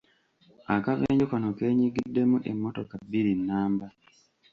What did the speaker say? Akabenje kano kenyigiddemu emmotoka bbiri nnamba.